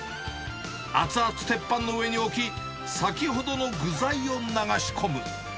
熱々鉄板の上に置き、先ほどの具材を流し込む。